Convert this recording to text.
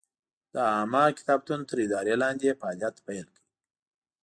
د عامه کتابتون تر ادارې لاندې یې فعالیت پیل کړ.